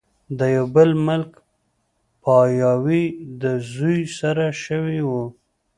د يو بل ملک پاياوي د زوي سره شوې وه